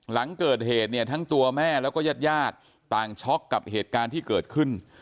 หลังเกิดเหตุทั้งตัวแม่และและหยาดต่างช็อกกับเหตุการณ์ที่เกิดขึ้น